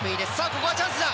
ここはチャンスだ。